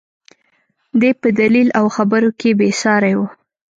دى په دليل او خبرو کښې بې سارى و.